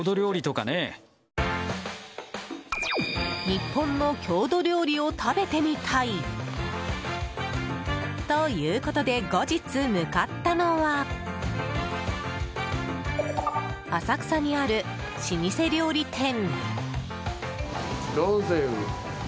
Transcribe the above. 日本の郷土料理を食べてみたい。ということで後日、向かったのは浅草にある老舗料理店。